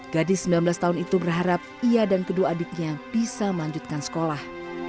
gadis sembilan belas tahun itu berharap ia dan kedua adiknya bisa melanjutkan sekolah